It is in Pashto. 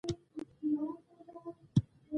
که ته، داځل راغلي بیا دې نه پریږدم